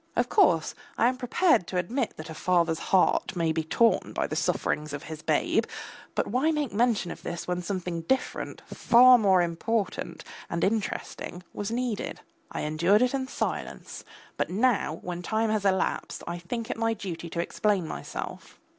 Of course I am prepared to admit that a father's heart may be torn by the sufferings of his babe, but why make mention of this when something different, far more important and interesting, was needed? I endured it in silence, but now when time has elapsed I think it my duty to explain myself.